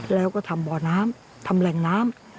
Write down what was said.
แล้วก็ทำบ่อน้ำทำแหล่งน้ำ